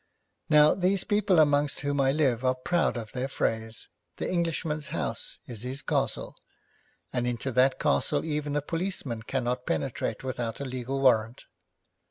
Now, these people among whom I live are proud of their phrase, 'The Englishman's house is his castle,' and into that castle even a policeman cannot penetrate without a legal warrant.